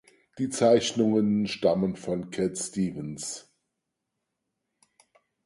Die Zeichnungen stammen von Cat Stevens.